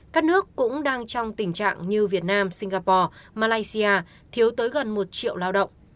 các nước cũng đang trong tình trạng như việt nam singapore malaysia thiếu tới gần một triệu lao động